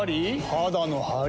肌のハリ？